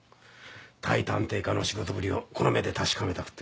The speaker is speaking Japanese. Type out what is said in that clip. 対探偵課の仕事ぶりをこの目で確かめたくてな。